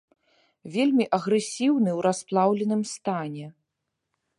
Вельмі агрэсіўны ў расплаўленым стане.